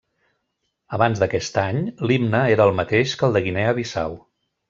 Abans d'aquest any, l'himne era el mateix que el de Guinea Bissau.